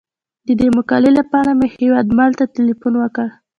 د دې مقالې لپاره مې هیوادمل ته تیلفون وکړ.